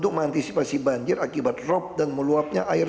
d peningkatan sistem pengendalian banjir dan perubahan kawasan dan perubahan nelayan